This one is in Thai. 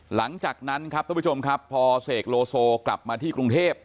หลังจากนั้นครับทุกผู้ชมครับพอเสกโลโซกลับมาที่กรุงเทพ